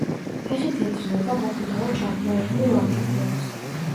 ფეხი თეთრია და მოყვითალო ჩაღრმავებული ლაქები აქვს.